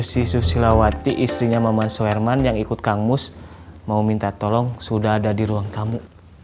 susi susilawati istrinya maman suherman yang ikut kang mus mau minta tolong sudah ada di ruang tamu